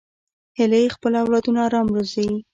هیلۍ خپل اولادونه آرام روزي